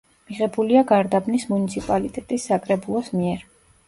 მიღებულია გარდაბნის მუნიციპალიტეტის საკრებულოს მიერ.